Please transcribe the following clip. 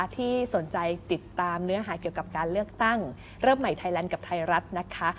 ที่สนใจติดตามเนื้อหาเกี่ยวกับการเลือกตั้งเริ่มใหม่ไทยแลนด์กับไทยรัฐนะคะ